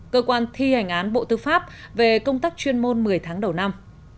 cơ quan thi hành án bộ tư pháp về công tác chuyên môn một mươi tháng đầu năm